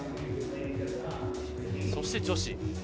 そして女子。